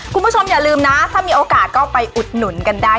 คุณผู้ชมอย่าลืมนะถ้ามีโอกาสก็ไปอุดหนุนกันได้